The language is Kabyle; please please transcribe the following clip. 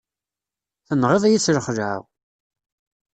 Tenɣiḍ-iyi s lxeɛla!